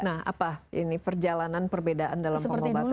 nah apa ini perjalanan perbedaan dalam pengobatan lupus itu